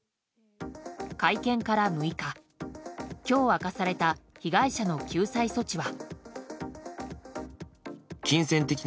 会見から６日、今日明かされた被害者の救済措置は。